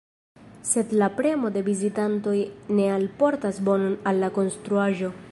Sed la premo de vizitantoj ne alportas bonon al la konstruaĵo.